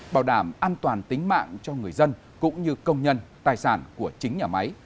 bảo đảm an toàn tính mạng cho người dân cũng như công nhân tài sản của chính nhà máy